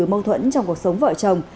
mâu thuẫn trong cuộc sống vợ chồng